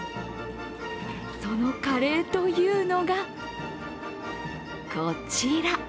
そのカレーというのがこちら。